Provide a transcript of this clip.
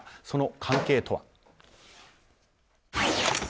その関係とは。